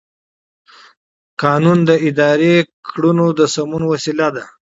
قانون د اداري کړنو د سمون وسیله ده.